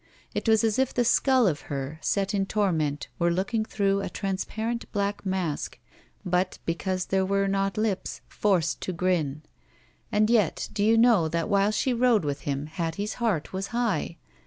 It was as if the skull of her, set in torment, were looking through a transparent black mask, but, because there were not lips, forced to grin. And yet, do you know that while she rode with him Hattie's heart was high?